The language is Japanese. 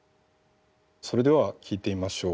それでは聴いてみましょう。